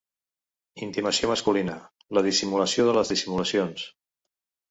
Intimació masculina: la dissimulació de les dissimulacions.